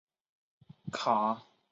卡坦扎罗。